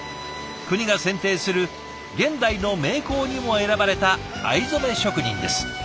国が選定する現代の名工にも選ばれた藍染め職人です。